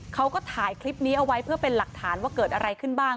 เขาก็ถ่ายคลิปนี้เอาไว้เพื่อเป็นหลักฐานว่าเกิดอะไรขึ้นบ้าง